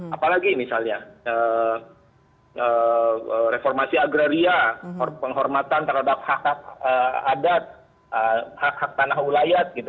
apalagi misalnya reformasi agraria penghormatan terhadap hak hak adat hak hak tanah wilayah gitu